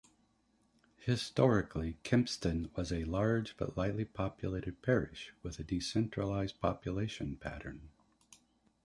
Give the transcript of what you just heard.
Historically Kempston was a large but lightly populated parish, with a decentralised population pattern.